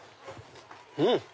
うん！